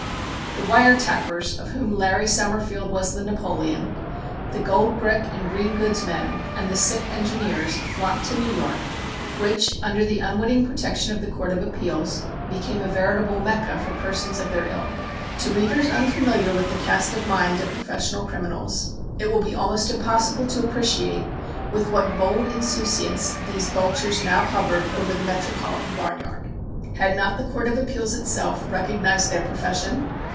The "wire tappers," of whom "Larry" Summerfield was the Napoleon, the "gold brick" and "green goods" men, and the "sick engineers" flocked to New York, which, under the unwitting protection of the Court of Appeals, became a veritable Mecca for persons of their ilk. To readers unfamiliar with the cast of mind of professional criminals it will be almost impossible to appreciate with what bold insouciance these vultures now hovered over the metropolitan barnyard. Had not the Court of Appeals itself recognized their profession?